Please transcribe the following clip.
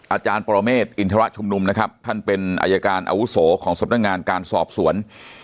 อาจารย์ปรเมฆอินทรชุมนุมนะครับท่านเป็นอายการอาวุโสของสำนักงานการสอบสวน